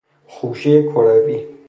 خوشهی کروی